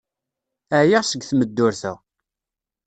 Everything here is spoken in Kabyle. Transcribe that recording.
Ɛyiɣ seg tmeddurt-a.